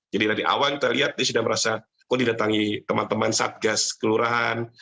jadi dari awal kita lihat dia sudah merasa kok didatangi teman teman satgas kelurahan